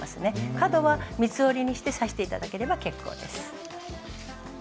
角は三つ折りにして刺して頂ければ結構です。